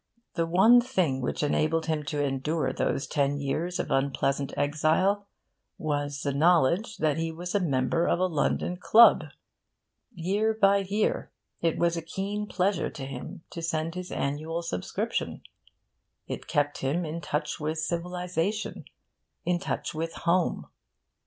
The one thing which enabled him to endure those ten years of unpleasant exile was the knowledge that he was a member of a London club. Year by year, it was a keen pleasure to him to send his annual subscription. It kept him in touch with civilisation, in touch with Home.